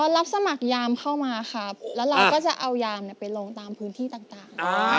รับสมัครยามเข้ามาครับแล้วเราก็จะเอายามไปลงตามพื้นที่ต่าง